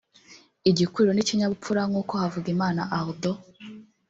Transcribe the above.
igikuriro n’ikinyabupfura nk’uko Havugimana Aldo